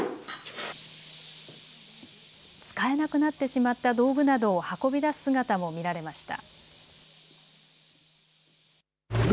使えなくなってしまった道具などを運び出す姿も見られました。